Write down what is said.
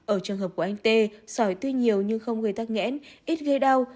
ở trường hợp của anh t sỏi tuy nhiều nhưng không gây tắc nghẽn ít gây đau